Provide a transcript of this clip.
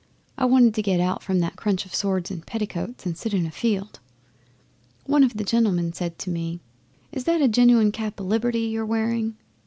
I wanted to get out from that crunch of swords and petticoats and sit in a field. One of the gentlemen said to me, "Is that a genuine cap o' Liberty you're wearing?"